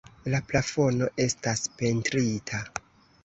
La plafono estas pentrita.